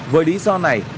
với lý do này